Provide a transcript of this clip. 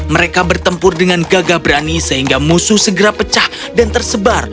mereka bertempur dengan gagah berani sehingga musuh segera pecah dan tersebar